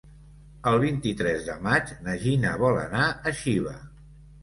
El vint-i-tres de maig na Gina vol anar a Xiva.